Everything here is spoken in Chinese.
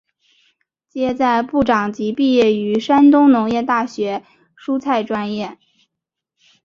旨在部长级毕业于山东农业大学蔬菜专业。